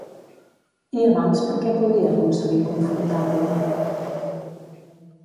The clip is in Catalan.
I abans per què podia aconseguir confortar-la?